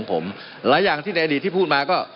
มันมีมาต่อเนื่องมีเหตุการณ์ที่ไม่เคยเกิดขึ้น